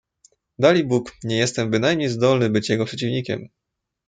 "Dalibóg, nie jestem bynajmniej zdolny być jego przeciwnikiem."